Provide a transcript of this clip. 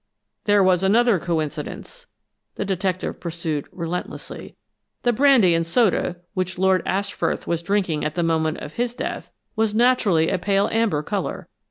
"There was another coincidence." The detective pursued relentlessly. "The brandy and soda, which Lord Ashfrith was drinking at the moment of his death, was naturally a pale amber color.